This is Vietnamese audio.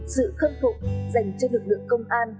sự khâm phục dành cho lực lượng công an